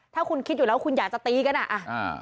แต่จะตีกันอะ